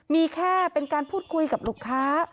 มีแค่เป็นการพูดคุยกับลูกค้า